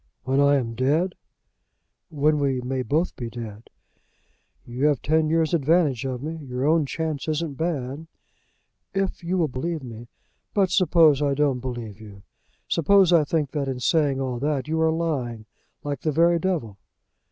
"When I am dead?" "When we may both be dead." "You have ten years advantage of me. Your own chance isn't bad." "If you will believe me " "But suppose I don't believe you! Suppose I think that in saying all that you are lying like the very devil!"